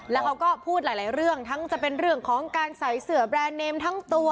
แล้วเขาก็พูดหลายเรื่องทั้งจะเป็นเรื่องของการใส่เสือแบรนดเนมทั้งตัว